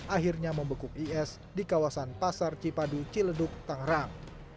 akhirnya membekuk is di kawasan pasar cipadu ciledug tangerang